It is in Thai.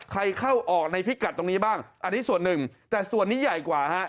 เข้าออกในพิกัดตรงนี้บ้างอันนี้ส่วนหนึ่งแต่ส่วนนี้ใหญ่กว่าฮะ